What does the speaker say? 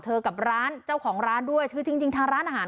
กับร้านเจ้าของร้านด้วยคือจริงจริงทางร้านอาหาร